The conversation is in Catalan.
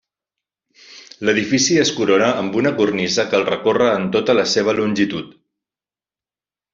L'edifici es corona amb una cornisa que el recorre en tota la seva longitud.